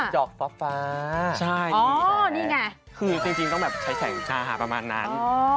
จอกฟ้าใช่นี่ไงคือจริงต้องแบบใช้แสงชาหาประมาณนั้น